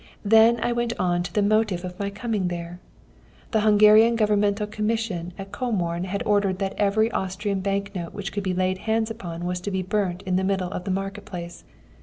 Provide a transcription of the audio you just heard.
Then I went on to the motive of my coming there. The Hungarian Governmental Commission at Comorn had ordered that every Austrian bank note which could be laid hands upon was to be burnt in the middle of the market place.